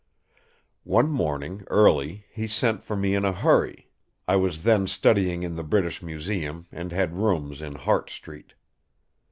"One morning early he sent for me in a hurry; I was then studying in the British Museum, and had rooms in Hart Street.